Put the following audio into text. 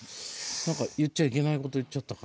何か言っちゃいけないこと言っちゃったかな。